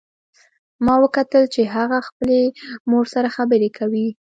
ما وکتل چې هغه خپلې مور سره خبرې کوي